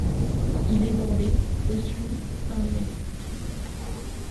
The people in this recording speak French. Il est bordé, au sud, par le Mexique.